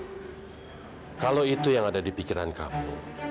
karena kalau itu yang ada di pikiran kamu